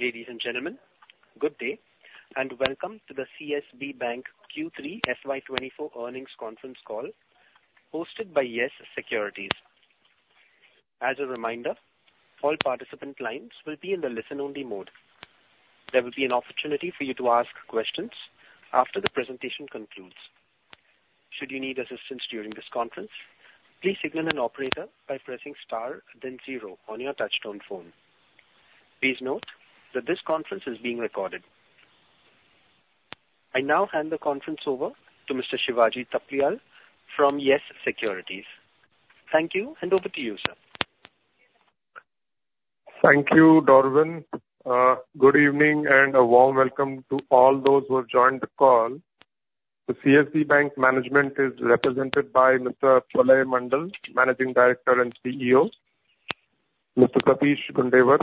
Ladies and gentlemen, good day and welcome to the CSB Bank Q3 FY 2024 earnings conference call hosted by YES Securities. As a reminder, all participant lines will be in the listen-only mode. There will be an opportunity for you to ask questions after the presentation concludes. Should you need assistance during this conference, please signal an operator by pressing star then zero on your touch-tone phone. Please note that this conference is being recorded. I now hand the conference over to Mr. Shivaji Thapliyal from YES Securities. Thank you and over to you, sir. Thank you, Dorwin. Good evening and a warm welcome to all those who have joined the call. The CSB Bank management is represented by Mr. Pralay Mondal, Managing Director and CEO, Mr. Satish Gundewar,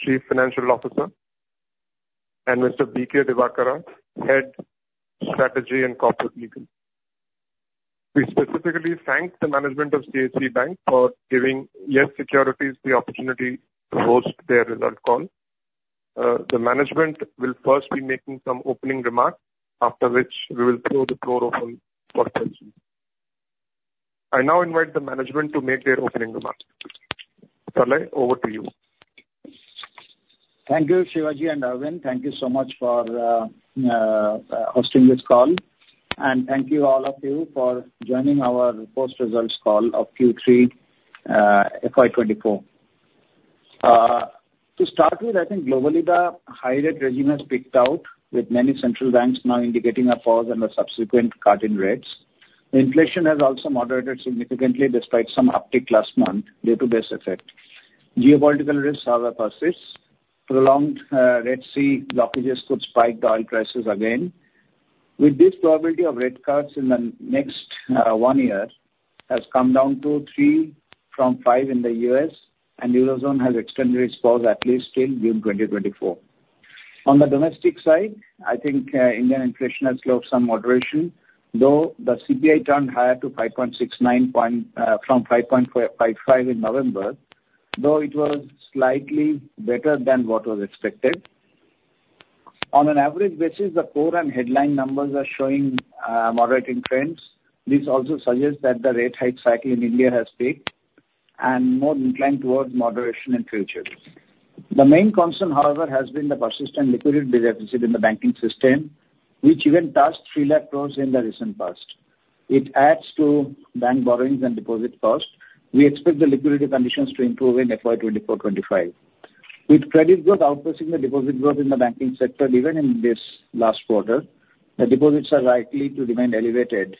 Chief Financial Officer, and Mr. B. K. Divakara, Head Strategy and Corporate Legal. We specifically thank the management of CSB Bank for giving YES Securities the opportunity to host their results call. The management will first be making some opening remarks, after which we will throw the floor open for questions. I now invite the management to make their opening remarks. Pralay, over to you. Thank you, Shivaji and Dorwin. Thank you so much for hosting this call, and thank you all of you for joining our post-results call of Q3 FY 2024. To start with, I think globally the high-rate regime has picked out, with many central banks now indicating a pause and a subsequent cut in rates. Inflation has also moderated significantly despite some uptick last month due to this effect. Geopolitical risks, however, persist. Prolonged Red Sea blockages could spike the oil prices again. With this probability of rate cuts in the next one year, it has come down to three from five in the U.S., and the Eurozone has extended its pause at least till June 2024. On the domestic side, I think Indian inflation has showed some moderation, though the CPI turned higher from 5.55 in November, though it was slightly better than what was expected. On an average basis, the core and headline numbers are showing moderating trends. This also suggests that the rate-hike cycle in India has peaked and is more inclined towards moderation in future. The main concern, however, has been the persistent liquidity deficit in the banking system, which even touched 300,000 crore in the recent past. It adds to bank borrowings and deposit costs. We expect the liquidity conditions to improve in FY 2024 to 2025. With credit growth outpacing the deposit growth in the banking sector, even in this last quarter, the deposits are likely to remain elevated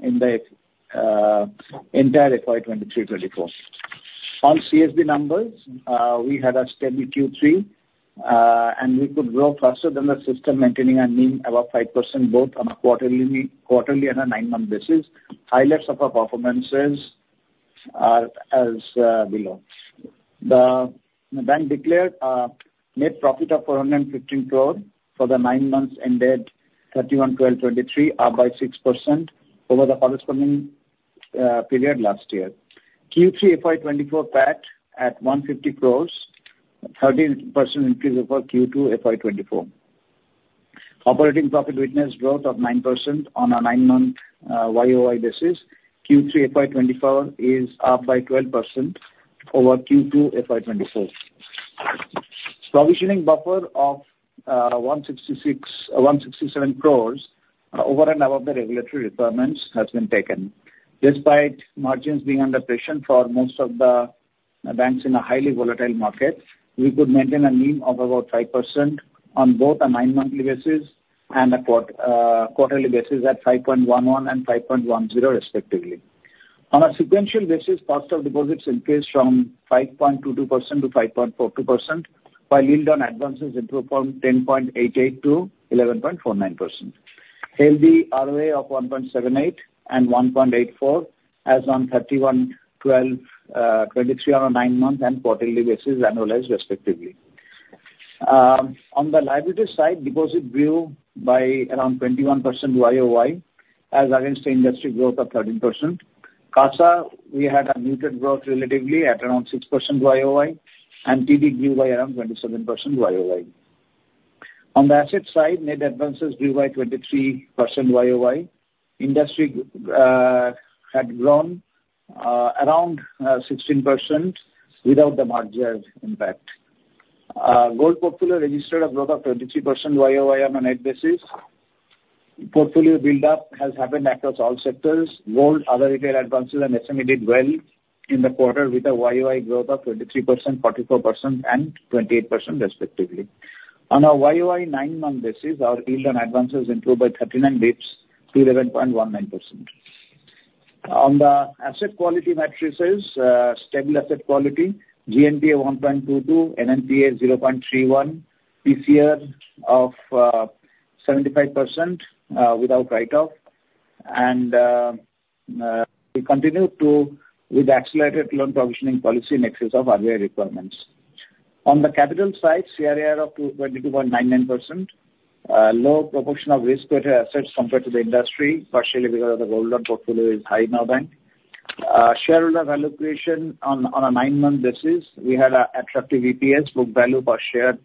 in the entire FY 2023 to 2024. On CSB numbers, we had a steady Q3, and we could grow faster than the system, maintaining a mean above 5% both on a quarterly and a nine-month basis. Highlights of our performances are as below. The bank declared net profit of 415 crores for the nine months ended 31/12/2023, up by 6% over the corresponding period last year. Q3 FY 2024 peaked at 150 crores, a 13% increase over Q2 FY 2024. Operating profit witnessed growth of 9% on a nine-month YOY basis. Q3 FY 2024 is up by 12% over Q2 FY 2024. Provisioning buffer of 167 crores over and above the regulatory requirements has been taken. Despite margins being under pressure for most of the banks in a highly volatile market, we could maintain a mean of about 5% on both a nine-monthly basis and a quarterly basis at 5.11% and 5.10%, respectively. On a sequential basis, cost of deposits increased from 5.22%-5.42%, while yield on advances improved from 10.88%-11.49%. Healthy ROA of 1.78% and 1.84% as on 31/12/2023 on a nine-month and quarterly basis annualized, respectively. On the liability side, deposit grew by around 21% YOY as against the industry growth of 13%. CASA, we had a muted growth relatively at around 6% YOY, and TD grew by around 27% YOY. On the asset side, net advances grew by 23% YOY. Industry had grown around 16% without the margin impact. Gold portfolio registered a growth of 23% YOY on a net basis. Portfolio buildup has happened across all sectors. Gold, other retail advances, and SME did well in the quarter with a YOY growth of 23%, 44%, and 28%, respectively. On a YOY nine-month basis, our yield on advances improved by 39 dips to 11.19%. On the asset quality matrices, stable asset quality, GNP of 1.22, NNP of 0.31, PCR of 75% without write-off, and we continued with accelerated loan provisioning policy in excess of ROA requirements. On the capital side, CRAR of 22.99%, low proportion of risk-weighted assets compared to the industry, partially because the gold loan portfolio is high in our bank. Shareholder allocation on a nine-month basis, we had an attractive EPS, book value per share,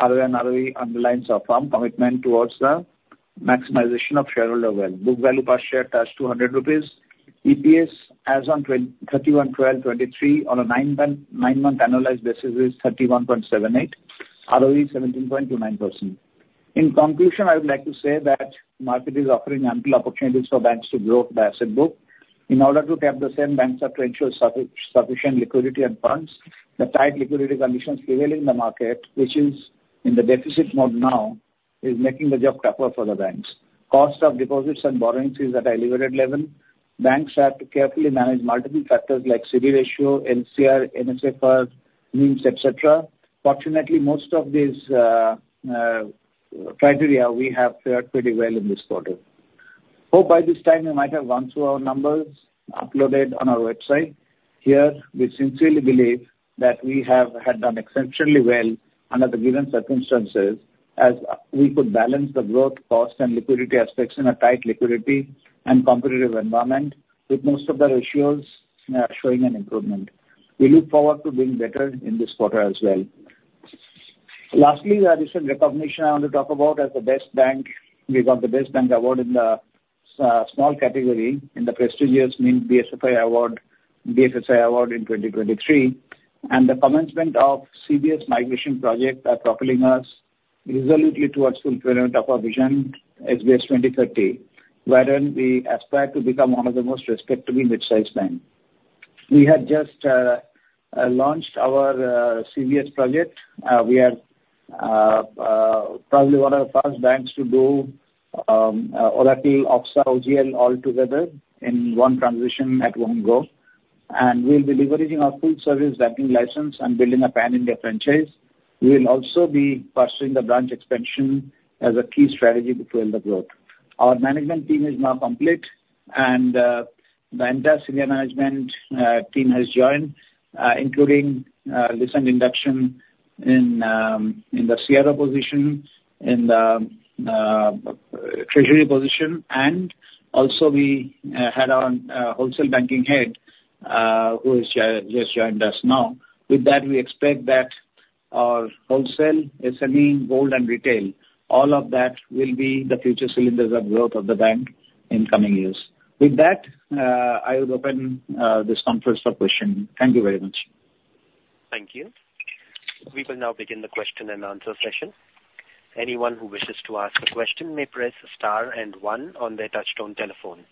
ROE. ROE underlines our firm commitment towards the maximization of shareholder wealth. Book value per share touched ₹200. EPS as on 31/12/2023 on a nine-month annualized basis is 31.78%, ROE 17.29%. In conclusion, I would like to say that the market is offering ample opportunities for banks to grow the asset book. In order to cap the same banks' potential sufficient liquidity and funds, the tight liquidity conditions prevailing in the market, which is in the deficit mode now, is making the job tougher for the banks. Cost of deposits and borrowings is at an elevated level. Banks have to carefully manage multiple factors like CD Ratio, LCR, NSFR, etc. Fortunately, most of these criteria we have fared pretty well in this quarter. Hope by this time you might have gone through our numbers uploaded on our website. Here, we sincerely believe that we have done exceptionally well under the given circumstances as we could balance the growth cost and liquidity aspects in a tight liquidity and competitive environment with most of the ratios showing an improvement. We look forward to doing better in this quarter as well. Lastly, the additional recognition I want to talk about as the best bank. We got the Best Bank Award in the small category in the prestigious BFSI Award in 2023, and the commencement of CBS Migration Project are propelling us resolutely towards fulfillment of our vision as CSB 2030, wherein we aspire to become one of the most respected mid-sized banks. We had just launched our CBS project. We are probably one of the first banks to do Oracle, OXA, OGL all together in one transition at one go. We'll be leveraging our full-service banking license and building a pan-India franchise. We'll also be pursuing the branch expansion as a key strategy to fuel the growth. Our management team is now complete, and the entire senior management team has joined, including the induction in the CRO position, in the treasury position, and also we had our wholesale banking head, who has just joined us now. With that, we expect that our wholesale, SME, gold, and retail, all of that will be the future cylinders of growth of the bank in coming years. With that, I would open this conference for questions. Thank you very much. Thank you. We will now begin the question-and-answer session. Anyone who wishes to ask a question may press star and one on their touch-tone telephone.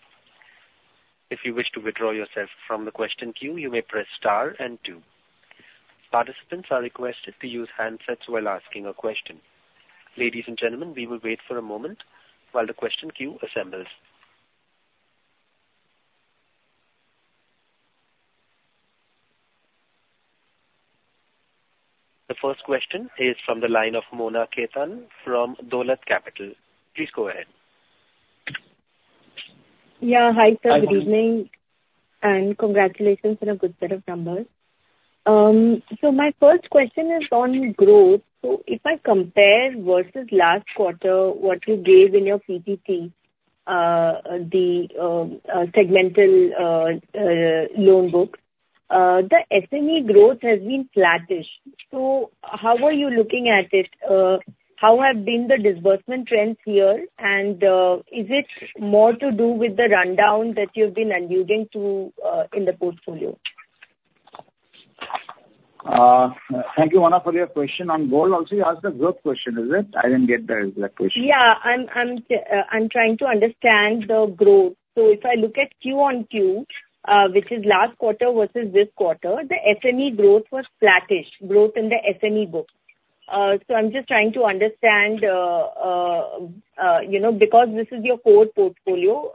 If you wish to withdraw yourself from the question queue, you may press star and two. Participants are requested to use handsets while asking a question. Ladies and gentlemen, we will wait for a moment while the question queue assembles. The first question is from the line of Mona Khetan from Dolat Capital. Please go ahead. Yeah. Hi, sir. Good evening and congratulations on a good set of numbers. So my first question is on growth. So if I compare versus last quarter what you gave in your PPT, the segmental loan books, the SME growth has been flattish. So how are you looking at it? How have been the disbursement trends here? And is it more to do with the rundown that you've been alluding to in the portfolio? Thank you, Mona, for your question. On gold, I'll ask a growth question. Is it? I didn't get that exact question. Yeah. I'm trying to understand the growth. So if I look at Q-on-Q, which is last quarter versus this quarter, the SME growth was flattish, growth in the SME books. So I'm just trying to understand because this is your core portfolio,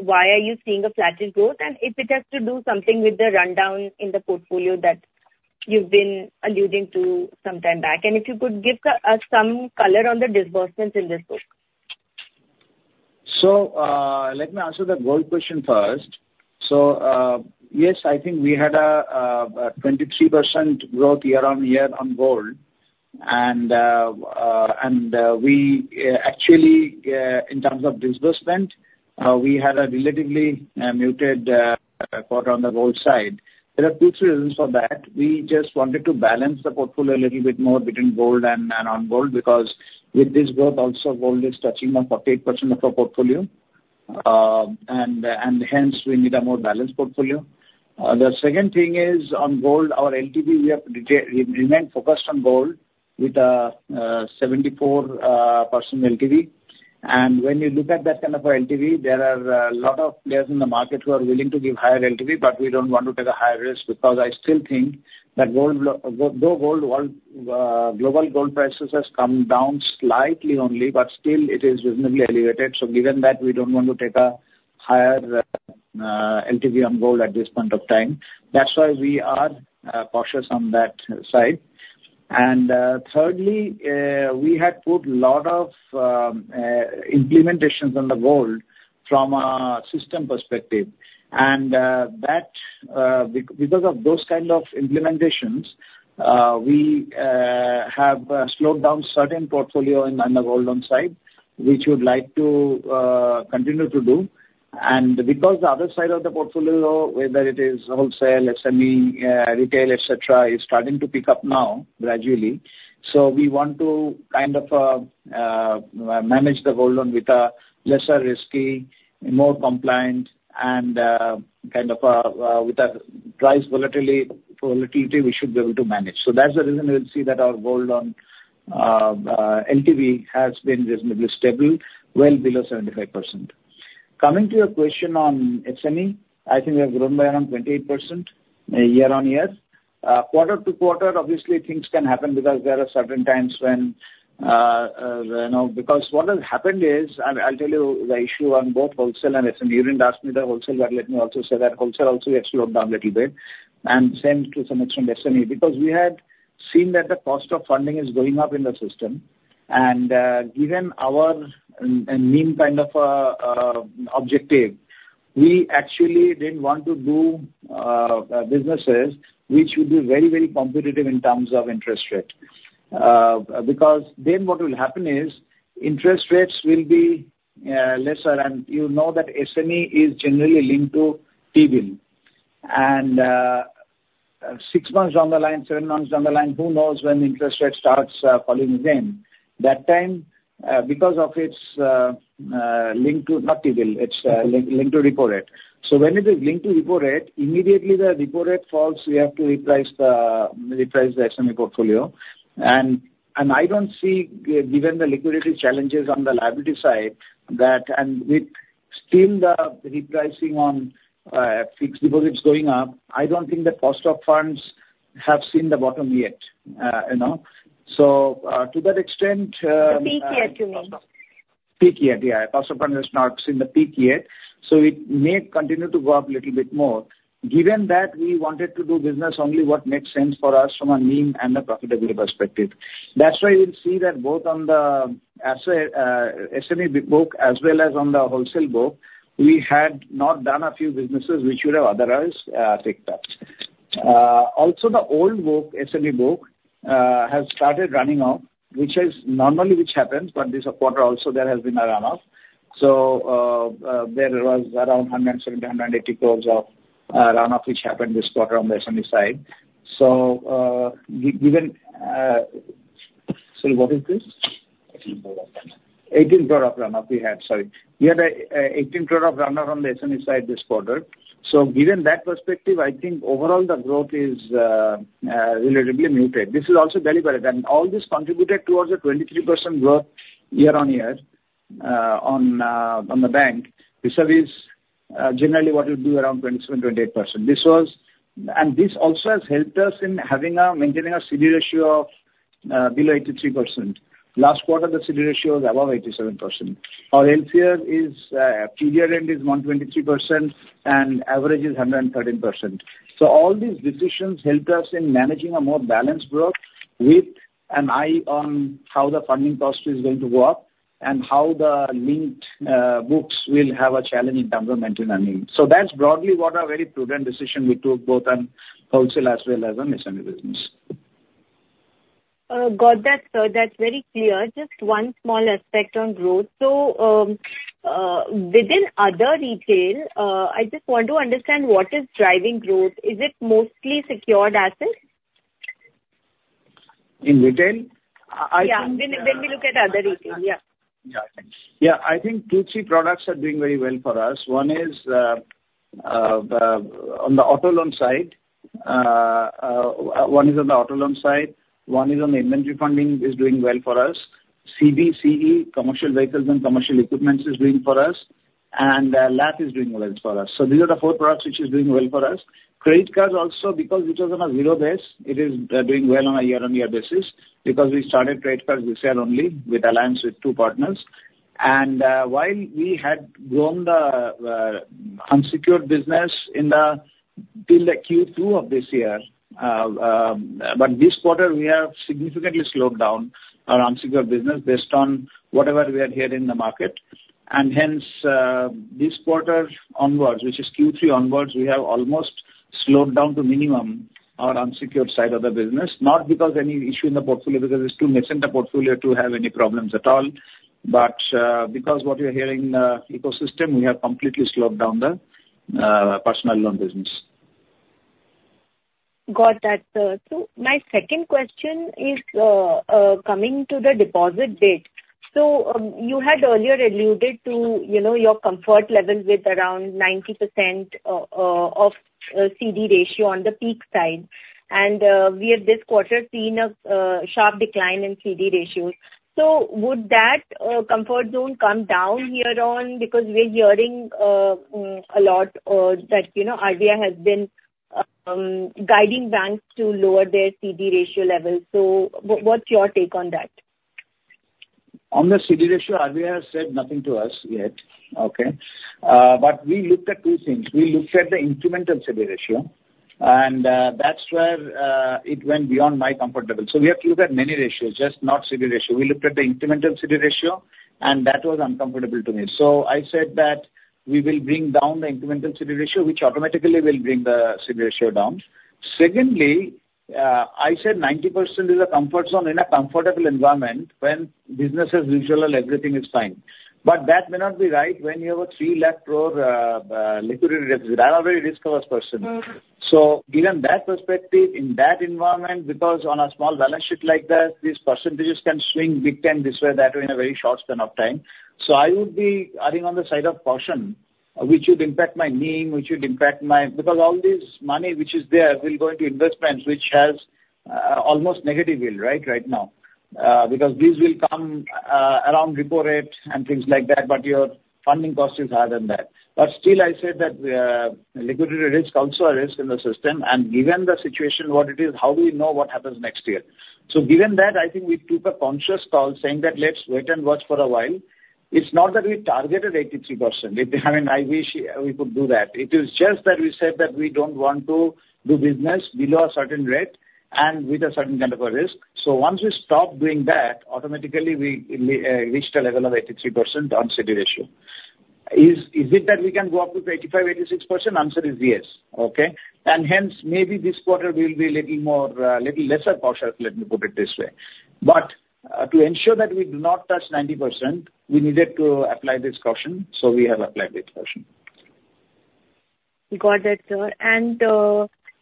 why are you seeing a flattish growth? And if it has to do something with the rundown in the portfolio that you've been alluding to some time back, and if you could give us some color on the disbursements in this book. So let me answer the gold question first. So yes, I think we had a 23% growth year-on-year on gold. And actually, in terms of disbursement, we had a relatively muted quarter on the gold side. There are two, three reasons for that. We just wanted to balance the portfolio a little bit more between gold and on gold because with this growth, also, gold is touching 48% of our portfolio, and hence we need a more balanced portfolio. The second thing is on gold, our LTV, we remain focused on gold with a 74% LTV. When you look at that kind of an LTV, there are a lot of players in the market who are willing to give higher LTV, but we don't want to take a higher risk because I still think that though global gold prices have come down slightly only, but still it is reasonably elevated. So given that, we don't want to take a higher LTV on gold at this point of time. That's why we are cautious on that side. And thirdly, we had put a lot of implementations on the gold from a system perspective. And because of those kinds of implementations, we have slowed down certain portfolio on the gold loan side, which we would like to continue to do. Because the other side of the portfolio, whether it is wholesale, SME, retail, etc., is starting to pick up now gradually, so we want to kind of manage the gold loan with a lesser risky, more compliant, and kind of with a price volatility, we should be able to manage. So that's the reason you'll see that our gold loan LTV has been reasonably stable, well below 75%. Coming to your question on SME, I think we have grown by around 28% year-on-year. Quarter to quarter, obviously, things can happen because there are certain times when because what has happened is I'll tell you the issue on both wholesale and SME. You didn't ask me the wholesale, but let me also say that wholesale also has slowed down a little bit, and same to some extent SME because we had seen that the cost of funding is going up in the system. And given our mean kind of objective, we actually didn't want to do businesses which would be very, very competitive in terms of interest rate. Because then what will happen is interest rates will be lesser and you know that SME is generally linked to T-Bill. And seven months down the line, seven months down the line, who knows when interest rate starts falling again? That time, because of its link to not T-Bill, it's linked to repo rate. So when it is linked to repo rate, immediately the repo rate falls, we have to reprice the SME portfolio. I don't see, given the liquidity challenges on the liability side and with still the repricing on fixed deposits going up, I don't think the cost of funds have seen the bottom yet. So to that extent. The peak yet to mean. Peak yet. Yeah. Cost of funds has not seen the peak yet. So it may continue to go up a little bit more. Given that, we wanted to do business only what makes sense for us from a NIM and a profitability perspective. That's why you'll see that both on the SME book as well as on the wholesale book, we had not done a few businesses which would have otherwise ticked up. Also, the old SME book has started running off, which normally happens, but this quarter also there has been a run-off. So there was around 170-180 crore of run-off which happened this quarter on the SME side. So given sorry, what is this? 18 crore of run-off. 18 crore of run-off we had. Sorry. We had a 18 crore of run-off on the SME side this quarter. So given that perspective, I think overall the growth is relatively muted. This is also deliberate. And all this contributed towards a 23% growth year-on-year on the bank, which is generally what we do around 27%-28%. And this also has helped us in maintaining a CD ratio of below 83%. Last quarter, the CD ratio was above 87%. Our LCR is quarter end 123% and average is 113%. So all these decisions helped us in managing a more balanced growth with an eye on how the funding cost is going to work and how the linked books will have a challenge in terms of maintaining a mean. So that's broadly what a very prudent decision we took both on wholesale as well as on SME business. Got that, sir. That's very clear. Just one small aspect on growth. So within other retail, I just want to understand what is driving growth. Is it mostly secured assets? In retail? Yeah. When we look at other retail. Yeah. Yeah. Yeah. I think two, three products are doing very well for us. One is on the auto loan side. One is on the auto loan side. One is on the inventory funding is doing well for us. CV/CE, commercial vehicles and commercial equipment is doing for us. And LAP is doing well for us. So these are the four products which are doing well for us. Credit cards also, because it was on a zero base, it is doing well on a year-over-year basis because we started credit cards this year only with alliance with two partners. And while we had grown the unsecured business till the Q2 of this year, but this quarter, we have significantly slowed down our unsecured business based on whatever we had heard in the market. And hence, this quarter onwards, which is Q3 onwards, we have almost slowed down to minimum our unsecured side of the business, not because any issue in the portfolio because it's too minuscule the portfolio to have any problems at all, but because what you're hearing in the ecosystem, we have completely slowed down the personal loan business. Got that, sir. So my second question is coming to the deposit side. So you had earlier alluded to your comfort level with around 90% CD ratio on the peak side. And we have this quarter seen a sharp decline in CD ratios. So would that comfort zone come down here now because we're hearing a lot that RBI has been guiding banks to lower their CD ratio levels? So what's your take on that? On the CD ratio, RBI has said nothing to us yet, okay? But we looked at two things. We looked at the incremental CD ratio, and that's where it went beyond my comfort level. So we have to look at many ratios, just not CD ratio. We looked at the incremental CD ratio, and that was uncomfortable to me. So I said that we will bring down the incremental CD ratio, which automatically will bring the CD ratio down. Secondly, I said 90% is a comfort zone in a comfortable environment when business is usual and everything is fine. But that may not be right when you have a 300,000 crore liquidity deficit. I'm a very risk-averse person. So given that perspective, in that environment, because on a small balance sheet like that, these percentages can swing big time this way, that way in a very short span of time. So I would be erring on the side of caution, which would impact my NIM, which would impact my because all this money which is there will go into investments which has almost negative yield, right, right now because these will come around repo rate and things like that, but your funding cost is higher than that. But still, I said that liquidity risk is also a risk in the system. And given the situation, what it is, how do we know what happens next year? So given that, I think we took a conscious call saying that let's wait and watch for a while. It's not that we targeted 83%. I mean, I wish we could do that. It is just that we said that we don't want to do business below a certain rate and with a certain kind of a risk. So once we stop doing that, automatically, we reached a level of 83% on CD ratio. Is it that we can go up to 85%-86%? Answer is yes, okay? And hence, maybe this quarter will be a little lesser cautious, let me put it this way. But to ensure that we do not touch 90%, we needed to apply this caution. So we have applied this caution. Got that, sir. And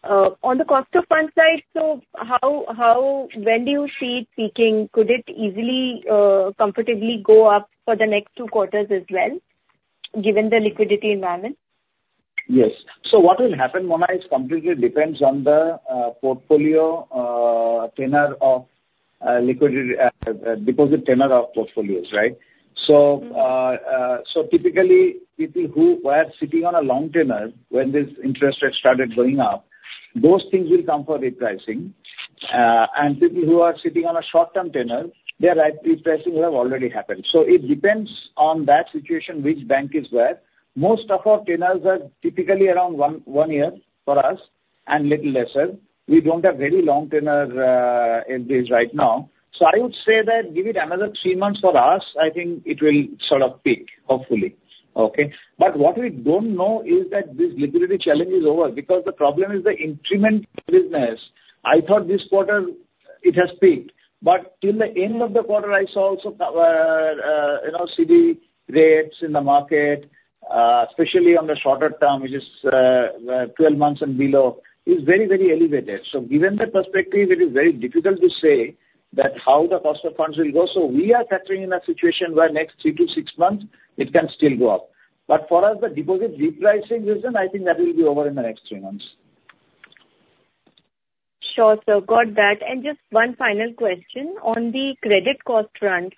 on the cost of fund side, so when do you see it peaking? Could it easily, comfortably go up for the next two quarters as well given the liquidity environment? Yes. So what will happen, Mona, is completely depends on the portfolio tenor of liquidity deposit tenor of portfolios, right? So typically, people who are sitting on a long tenor, when this interest rate started going up, those things will come for repricing. And people who are sitting on a short-term tenor, their repricing will have already happened. So it depends on that situation, which bank is where. Most of our tenors are typically around one year for us and a little lesser. We don't have very long tenor right now. So I would say that give it another three months for us, I think it will sort of peak, hopefully, okay? But what we don't know is that this liquidity challenge is over because the problem is the incremental business. I thought this quarter, it has peaked. Till the end of the quarter, I saw also CD rates in the market, especially on the shorter term, which is 12 months and below, is very, very elevated. So given the perspective, it is very difficult to say how the cost of funds will go. So we are factoring in a situation where next three to six months, it can still go up. But for us, the deposit repricing reason, I think that will be over in the next three months. Sure. Got that. Just one final question on the credit cost run.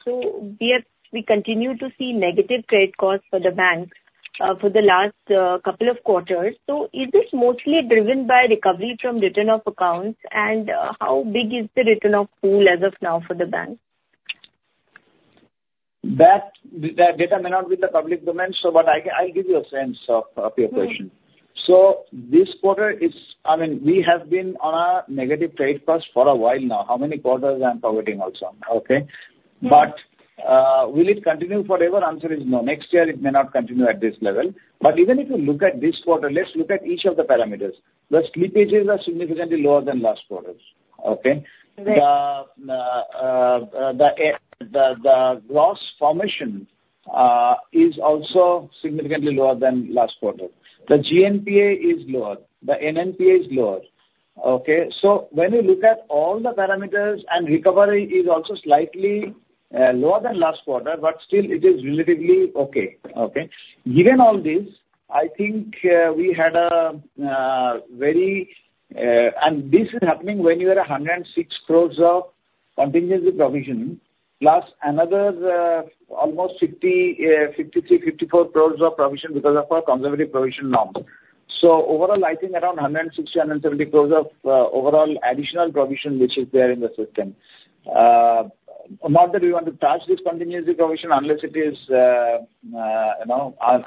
We continue to see negative credit costs for the banks for the last couple of quarters. Is this mostly driven by recovery from return of accounts? How big is the return of pool as of now for the banks? That data may not be in the public domain, but I'll give you a sense of your question. So this quarter, I mean, we have been on a negative credit cost for a while now. How many quarters I'm forwarding also, okay? But will it continue forever? Answer is no. Next year, it may not continue at this level. But even if you look at this quarter, let's look at each of the parameters. The slippages are significantly lower than last quarters, okay? The gross formation is also significantly lower than last quarter. The GNPA is lower. The NNPA is lower, okay? So when you look at all the parameters and recovery is also slightly lower than last quarter, but still, it is relatively okay, okay? Given all this, I think we had a very and this is happening when you are 106 crore of contingency provision plus another almost 53- 54 crore of provision because of our conservative provision norm. So overall, I think around 160- 170 crore of overall additional provision which is there in the system. Not that we want to touch this contingency provision unless it is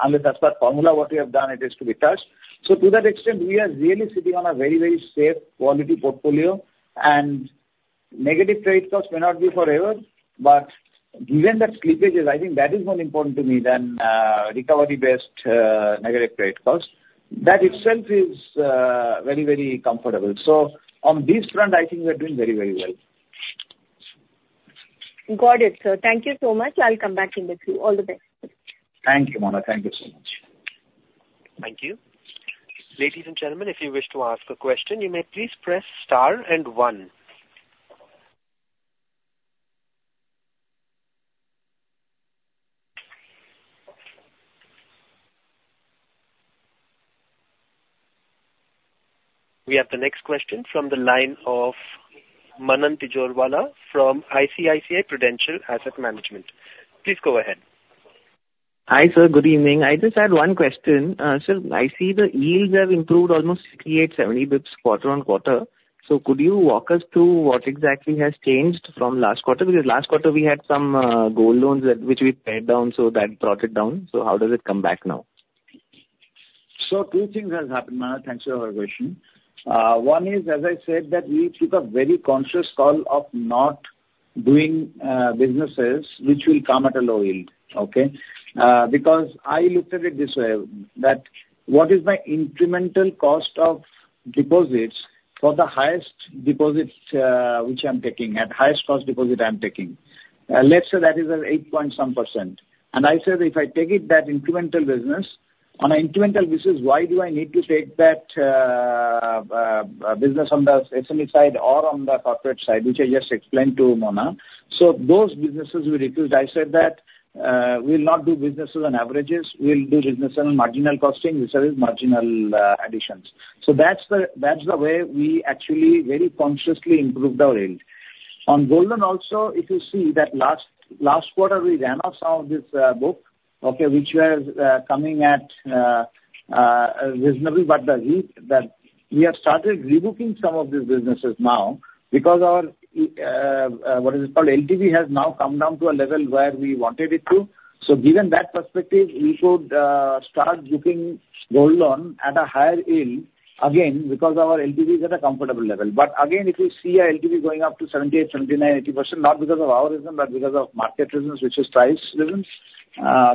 unless that's the formula what we have done, it is to be touched. So to that extent, we are really sitting on a very, very safe quality portfolio. And negative credit cost may not be forever, but given that slippages, I think that is more important to me than recovery-based negative credit cost. That itself is very, very comfortable. So on this front, I think we are doing very, very well. Got it, sir. Thank you so much. I'll come back in with you. All the best. Thank you, Mona. Thank you so much. Thank you. Ladies and gentlemen, if you wish to ask a question, you may please press star and one. We have the next question from the line of Manan Tijoriwala from ICICI Prudential Asset Management. Please go ahead. Hi, sir. Good evening. I just had one question. Sir, I see the yields have improved almost 68-70 basis points quarter-on-quarter. So could you walk us through what exactly has changed from last quarter? Because last quarter, we had some gold loans which we paid down, so that brought it down. So how does it come back now? So two things have happened, Mana. Thanks for your question. One is, as I said, that we took a very conscious call of not doing businesses which will come at a low yield, okay? Because I looked at it this way, that what is my incremental cost of deposits for the highest deposit which I'm taking, at highest cost deposit I'm taking? Let's say that is an eight-point-some %. And I said if I take that incremental business, on an incremental basis, why do I need to take that business on the SME side or on the corporate side, which I just explained to Mona? So those businesses we refused. I said that we'll not do businesses on averages. We'll do businesses on marginal costing, which are marginal additions. So that's the way we actually very consciously improved our yield. On gold loans also, if you see that last quarter, we ran off some of this book, okay, which was coming at reasonable, but we have started rebooking some of these businesses now because our what is it called? LTV has now come down to a level where we wanted it to. So given that perspective, we could start booking gold loan at a higher yield again because our LTV is at a comfortable level. But again, if you see a LTV going up to 78%-80%, not because of our reason, but because of market reasons, which is price reason,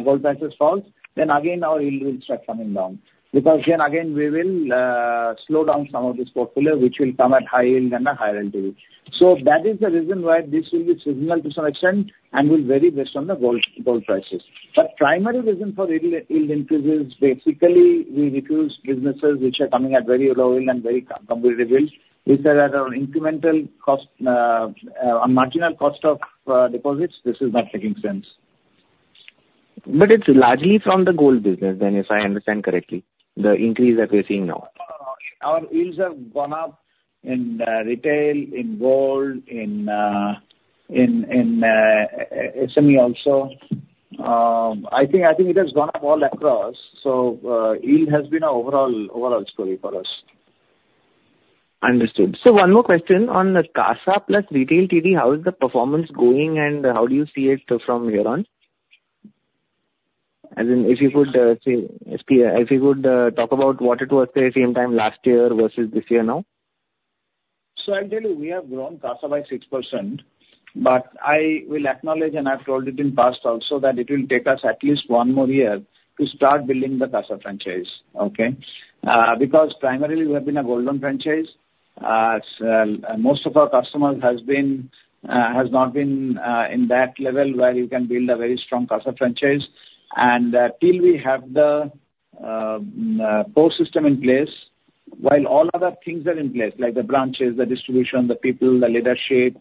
gold prices fall, then again, our yield will start coming down because then again, we will slow down some of this portfolio, which will come at high yield and a higher LTV. So that is the reason why this will be seasonal to some extent and will vary based on the gold prices. But primary reason for yield increase is basically, we refuse businesses which are coming at very low yield and very competitive yield. We said that on incremental cost on marginal cost of deposits, this is not making sense. It's largely from the gold business then, if I understand correctly, the increase that we're seeing now. Our yields have gone up in retail, in gold, in SME also. I think it has gone up all across. So yield has been an overall story for us. Understood. So one more question. On the CASA plus Retail TV, how is the performance going, and how do you see it from here on? As in if you could say if you could talk about what it was the same time last year versus this year now? So I'll tell you, we have grown CASA by 6%. But I will acknowledge, and I've told it in past also, that it will take us at least one more year to start building the CASA franchise, okay? Because primarily, we have been a gold loan franchise. Most of our customers have not been in that level where you can build a very strong CASA franchise. And till we have the core system in place, while all other things are in place, like the branches, the distribution, the people, the leadership,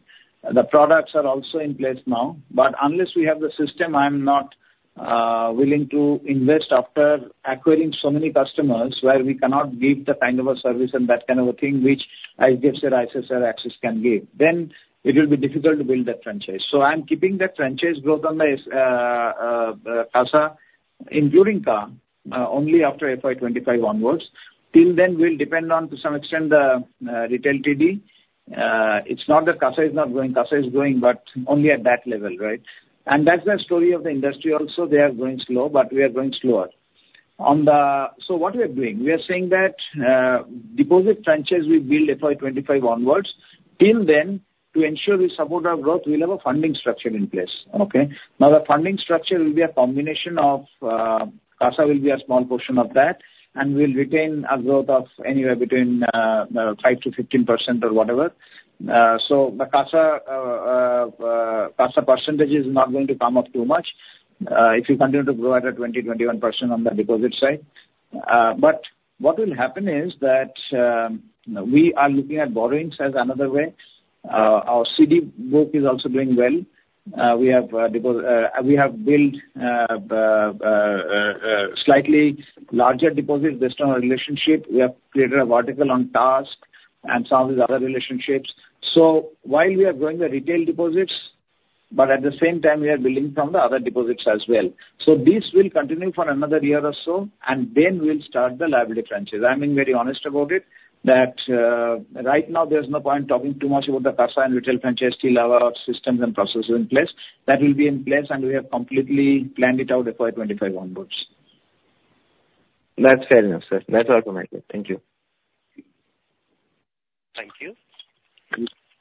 the products are also in place now. But unless we have the system, I'm not willing to invest after acquiring so many customers where we cannot give the kind of a service and that kind of a thing which, as I said, like Axis can give. Then it will be difficult to build that franchise. So I'm keeping that franchise growth on the CASA, including CAR, only after FY25 onwards. Till then, we'll depend on, to some extent, the Retail TD. It's not that CASA is not growing. CASA is growing, but only at that level, right? And that's the story of the industry also. They are growing slow, but we are growing slower. So what we are doing, we are saying that deposit franchise we build FY 2025 onwards. Till then, to ensure we support our growth, we'll have a funding structure in place, okay? Now, the funding structure will be a combination of CASA will be a small portion of that, and we'll retain a growth of anywhere between 5%-15% or whatever. So the CASA percentage is not going to come up too much if you continue to grow at a 20%-21% on the deposit side. But what will happen is that we are looking at borrowings as another way. Our CD book is also doing well. We have built slightly larger deposits based on our relationship. We have created a vertical on TASC and some of these other relationships. So while we are growing the retail deposits, but at the same time, we are building from the other deposits as well. So this will continue for another year or so, and then we'll start the liability franchise. I'm being very honest about it, that right now, there's no point talking too much about the CASA and retail franchise till our systems and processes are in place. That will be in place, and we have completely planned it out FY 2025 onwards. That's fair enough, sir. That's what I can make it. Thank you. Thank you.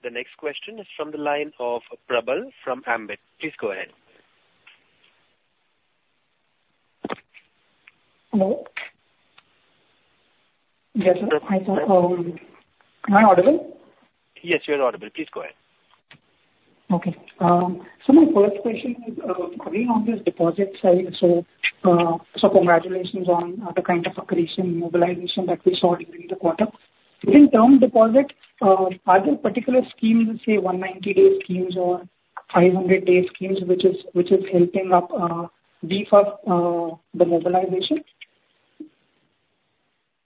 The next question is from the line of Prabhal from Ambit. Please go ahead. Hello? Yes, sir. I thought. Prabal. Can I audible? Yes, you're audible. Please go ahead. Okay. So my first question is, again, on this deposit side. So congratulations on the kind of accretion and mobilization that we saw during the quarter. During term deposit, are there particular schemes, say, 190-day schemes or 500-day schemes, which is helping up the mobilization?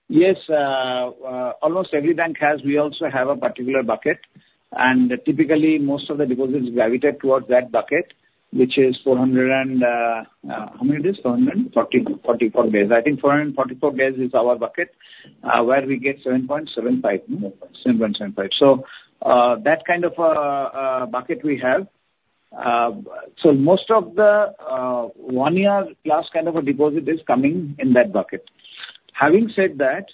Yes. Almost every bank has. We also have a particular bucket. And typically, most of the deposits gravitate towards that bucket, which is 400 and how many days? 440 days. I think 440 days is our bucket where we get 7.75%. 7.75%. So that kind of a bucket we have. So most of the one-year-plus kind of a deposit is coming in that bucket. Having said that,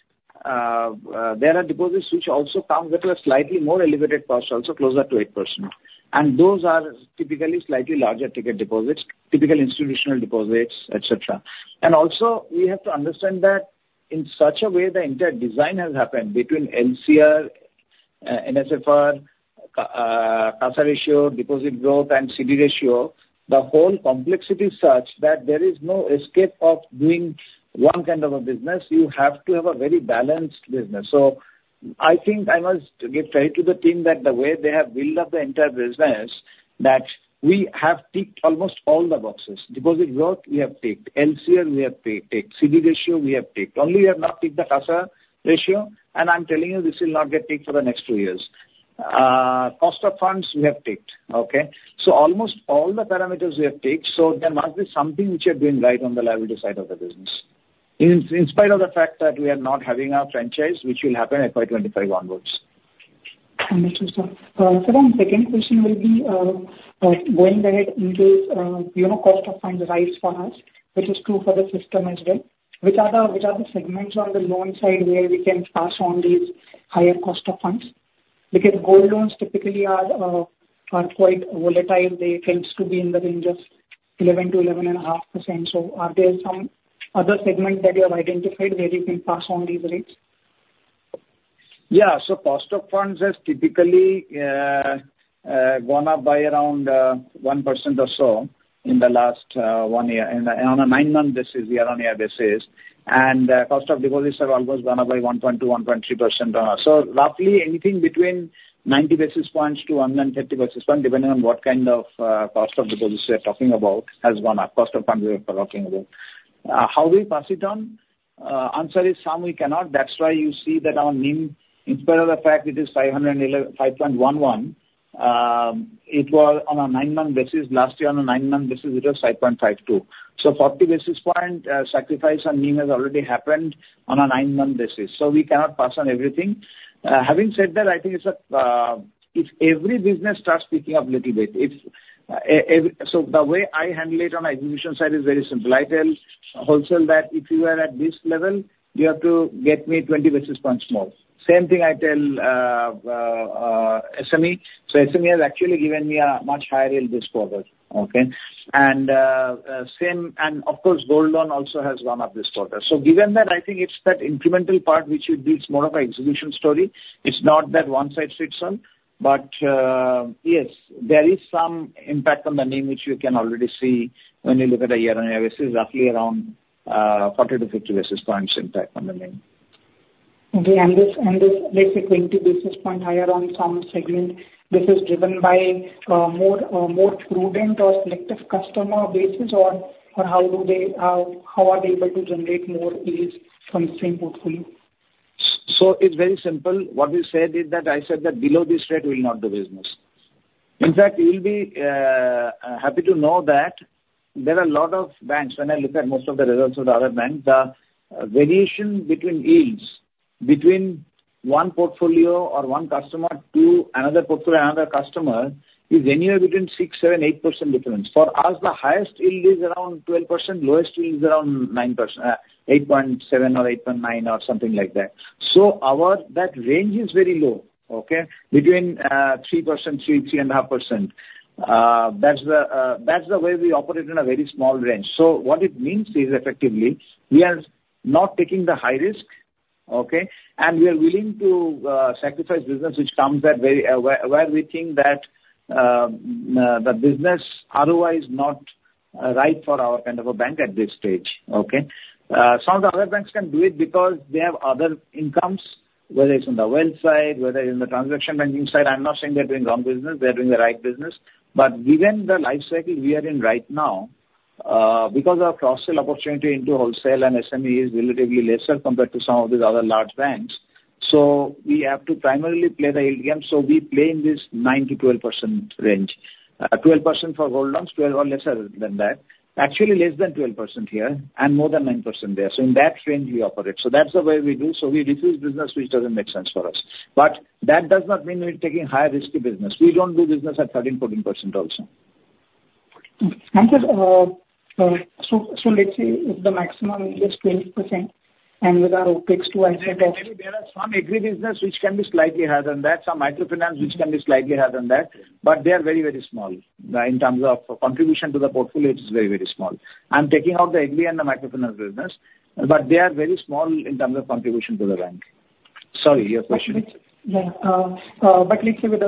there are deposits which also come with a slightly more elevated cost, also closer to 8%. And those are typically slightly larger ticket deposits, typical institutional deposits, etc. And also, we have to understand that in such a way, the entire design has happened between LCR, NSFR, CASA ratio, deposit growth, and CD ratio, the whole complexity is such that there is no escape of doing one kind of a business. You have to have a very balanced business. So I think I must give credit to the team that the way they have built up the entire business, that we have ticked almost all the boxes. Deposit growth, we have ticked. LCR, we have ticked. CD ratio, we have ticked. Only we have not ticked the CASA ratio. And I'm telling you, this will not get ticked for the next two years. Cost of funds, we have ticked, okay? So almost all the parameters, we have ticked. So there must be something which we are doing right on the liability side of the business, in spite of the fact that we are not having our franchise, which will happen FY 2025 onwards. Understood, sir. So then second question will be going ahead into cost of funds arise for us, which is true for the system as well. Which are the segments on the loan side where we can pass on these higher cost of funds? Because gold loans typically are quite volatile. They tend to be in the range of 11%-11.5%. So are there some other segments that you have identified where you can pass on these rates? Yeah. So cost of funds has typically gone up by around 1% or so in the last one year. And on a nine-month basis, year-on-year basis. And cost of deposits have almost gone up by 1.2%-1.3%. So roughly, anything between 90-130 basis points, depending on what kind of cost of deposits we are talking about has gone up, cost of funds we are talking about. How do we pass it on? Answer is, some we cannot. That's why you see that our NIM, in spite of the fact it is 5.11%, it was on a nine-month basis. Last year, on a nine-month basis, it was 5.52%. So 40 basis point sacrifice on NIM has already happened on a nine-month basis. So we cannot pass on everything. Having said that, I think it's a if every business starts picking up a little bit, if so the way I handle it on execution side is very simple. I tell wholesale that if you are at this level, you have to get me 20 basis points more. Same thing I tell SME. So SME has actually given me a much higher yield this quarter, okay? And of course, gold loan also has gone up this quarter. So given that, I think it's that incremental part which it's more of an execution story. It's not that one size fits all. But yes, there is some impact on the NIM which you can already see when you look at a year-on-year basis, roughly around 40-50 basis points impact on the NIM. Okay. And this lets you 20 basis points higher on some segment. This is driven by a more prudent or selective customer basis, or how are they able to generate more yields from the same portfolio? So it's very simple. What we said is that I said that below this rate, we will not do business. In fact, you will be happy to know that there are a lot of banks. When I look at most of the results of the other banks, the variation between yields between one portfolio or one customer to another portfolio, another customer, is anywhere between 6, 7, 8% difference. For us, the highest yield is around 12%. Lowest yield is around 8.7 or 8.9 or something like that. So that range is very low, okay, between 3%-3.5%. That's the way we operate in a very small range. So what it means is, effectively, we are not taking the high risk, okay? We are willing to sacrifice business which comes at where we think that the business otherwise is not right for our kind of a bank at this stage, okay? Some of the other banks can do it because they have other incomes, whether it's on the wealth side, whether it's in the transaction banking side. I'm not saying they're doing wrong business. They're doing the right business. But given the life cycle we are in right now, because our cross-sell opportunity into wholesale and SME is relatively lesser compared to some of these other large banks, so we have to primarily play the yield game. So we play in this 9%-12% range, 12% for gold loans, 12 or lesser than that, actually less than 12% here and more than 9% there. So in that range, we operate. So that's the way we do. So we refuse business which doesn't make sense for us. But that does not mean we're taking high-risky business. We don't do business at 13%-14% also. Okay. Thank you. So let's say if the maximum is just 20% and with our OPEX too. There are some agri-business which can be slightly higher than that, some microfinance which can be slightly higher than that. But they are very, very small in terms of contribution to the portfolio. It is very, very small. I'm taking out the agri and the microfinance business, but they are very small in terms of contribution to the bank. Sorry, your question. Yeah. But let's say with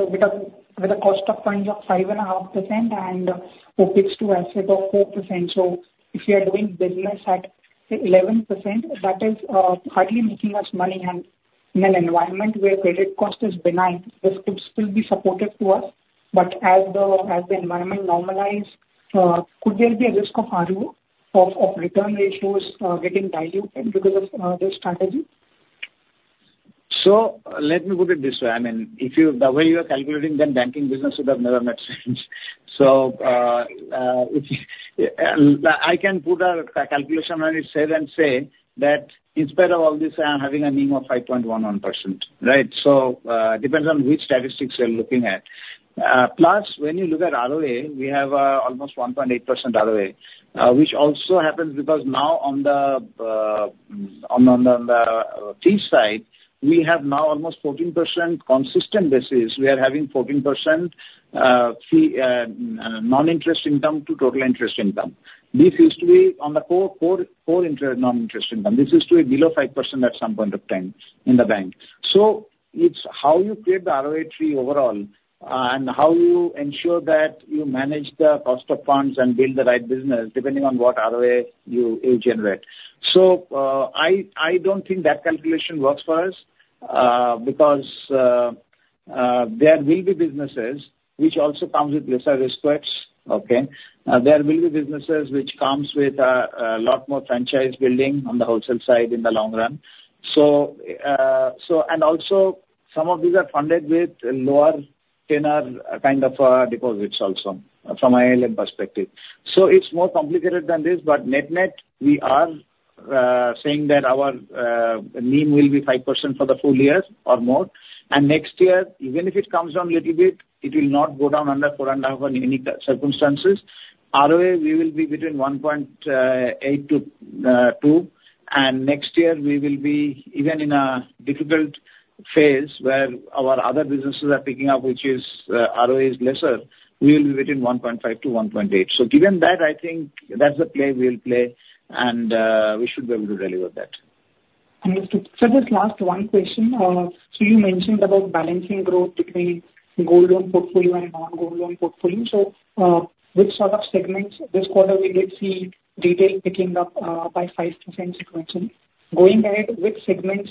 a cost of funds of 5.5% and OPEX to asset of 4%. So if we are doing business at 11%, that is hardly making us money. And in an environment where credit cost is benign, this could still be supportive to us. But as the environment normalizes, could there be a risk of ROE, of return ratios getting diluted because of this strategy? So let me put it this way. I mean, the way you are calculating, then banking business would have never made sense. So I can put a calculation on it here and say that in spite of all this, I am having a NIM of 5.11%, right? So it depends on which statistics you're looking at. Plus, when you look at ROA, we have almost 1.8% ROA, which also happens because now on the fee side, we have now almost 14% consistent basis. We are having 14% non-interest income to total interest income. This used to be on the core non-interest income. This used to be below 5% at some point of time in the bank. So it's how you create the ROA tree overall and how you ensure that you manage the cost of funds and build the right business depending on what ROA you generate. So I don't think that calculation works for us because there will be businesses which also come with lesser risks, okay? There will be businesses which come with a lot more franchise building on the wholesale side in the long run. And also, some of these are funded with lower tenor kind of deposits also from an ILM perspective. So it's more complicated than this. But net-net, we are saying that our NIM will be 5% for the full year or more. And next year, even if it comes down a little bit, it will not go down under 4.5% in any circumstances. ROA, we will be between 1.8%-2%. And next year, we will be even in a difficult phase where our other businesses are picking up, which ROA is lesser, we will be between 1.5%-1.8%. Given that, I think that's the play we'll play, and we should be able to deliver that. Understood. So just last one question. So you mentioned about balancing growth between gold loan portfolio and non-gold loan portfolio. So which sort of segments this quarter, we did see retail picking up by 5% sequential. Going ahead, which segments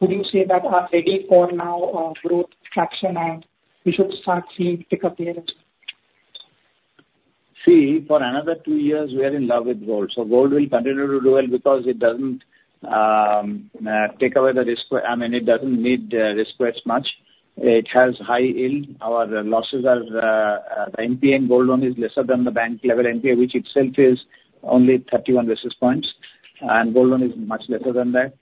would you say that are ready for new growth traction and we should start seeing pickup here as well? See, for another two years, we are in love with gold. So gold will continue to do well because it doesn't take away the risk. I mean, it doesn't need risk quite as much. It has high yield. Our losses are the NPA in gold loan is lesser than the bank-level NPA, which itself is only 31 basis points. And gold loan is much lesser than that.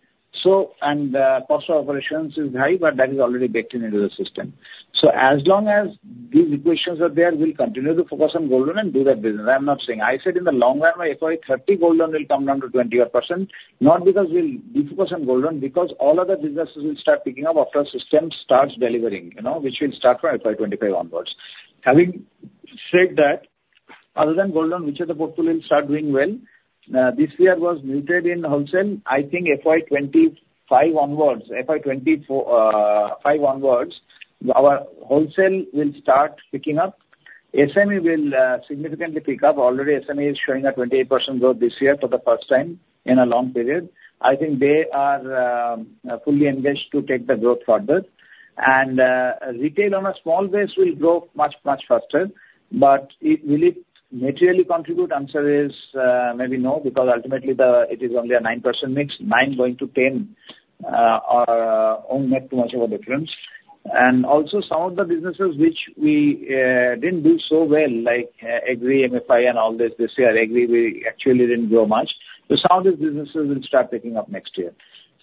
And cost of operations is high, but that is already baked into the system. So as long as these equations are there, we'll continue to focus on gold loan and do that business. I'm not saying. I said in the long run, by FY 2030, gold loan will come down to 20%, not because we'll defocus on gold loan, because all other businesses will start picking up after our system starts delivering, which will start from FY 2025 onwards. Having said that, other than gold loan, which of the portfolio will start doing well? This year was muted in wholesale. I think FY 2025 onwards, FY 2025 onwards, our wholesale will start picking up. SME will significantly pick up. Already, SME is showing a 28% growth this year for the first time in a long period. I think they are fully engaged to take the growth further. And retail on a small base will grow much, much faster. But will it materially contribute? Answer is maybe no because ultimately, it is only a 9% mix. 9%-10% are only making too much of a difference. And also, some of the businesses which we didn't do so well, like agri, MFI, and all this this year, agri, we actually didn't grow much. So some of these businesses will start picking up next year.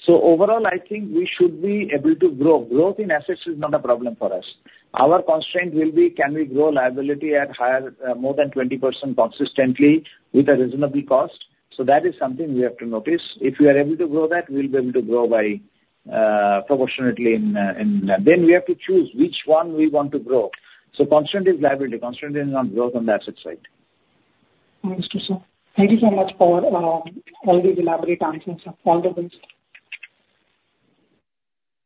So overall, I think we should be able to grow. Growth in assets is not a problem for us. Our constraint will be, can we grow liability at higher more than 20% consistently with a reasonable cost? So that is something we have to notice. If we are able to grow that, we'll be able to grow proportionately in that. Then we have to choose which one we want to grow. So constraint is liability. Constraint is not growth on the asset side. Understood, sir. Thank you so much for all these elaborate answers, sir. All the best.